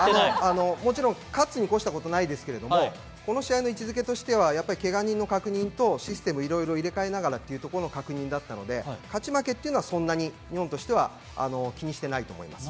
もちろん勝つに越したことはないんですけれども、この試合の位置付けとしてはけが人の確認と、システムをいろいろ入れ替えながらという確認だったので、勝ち負けはそんなに日本としては気にしていないと思います。